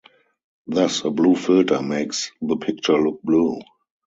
Thus a blue filter makes the picture look blue.